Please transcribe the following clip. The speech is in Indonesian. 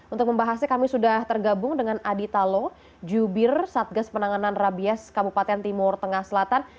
untuk membahasnya kami sudah tergabung dengan adi talo jubir satgas penanganan rabies kabupaten timur tengah selatan